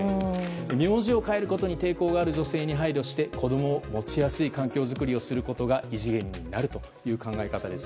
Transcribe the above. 名字を変えることに抵抗がある女性に配慮して、子供を持ちやすい環境づくりをすることが異次元になるという考え方です。